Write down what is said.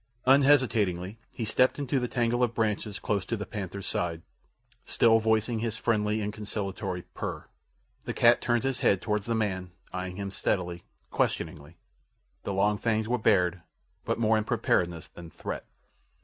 Unhesitatingly, he stepped into the tangle of branches close to the panther's side, still voicing his friendly and conciliatory purr. The cat turned his head toward the man, eyeing him steadily—questioningly. The long fangs were bared, but more in preparedness than threat.